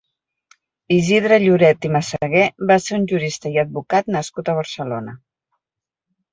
Isidre Lloret i Massaguer va ser un jurista i advocat nascut a Barcelona.